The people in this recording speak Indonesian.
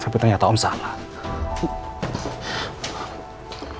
tapi ternyata om salah